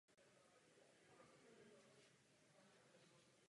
Mimo to je též sídelní město kraji "Washington County" tohoto státu.